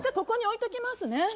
ここに置いときますね。